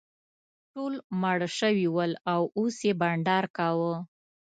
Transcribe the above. ټول ماړه شوي ول او اوس یې بانډار کاوه.